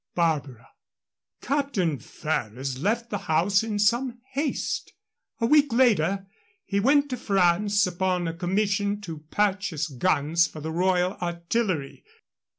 BARBARA. Captain Ferrers left the house in some haste. A week later he went to France upon a commission to purchase guns for the Royal Artillery.